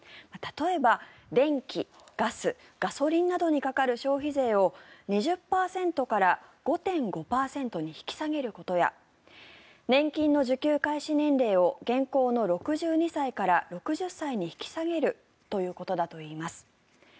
例えば、電気、ガスガソリンなどにかかる消費税を２０％から５．５％に引き下げることや年金の受給開始年齢を現行の６２歳から６０歳に引き下げるということだといいます。